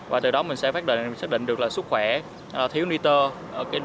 và từ đó mình sẽ phát định được sức khỏe thiếu niter